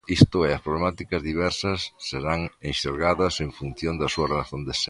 Isto é, as problemáticas diversas serán enxergadas en función da súa razón de ser.